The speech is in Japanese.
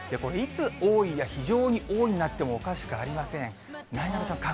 いつ、多いが非常に多いになってもおかしくありません。